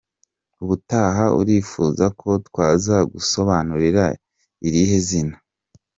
Ubutaha urifuza ko twazagusobanurira irihe zina?.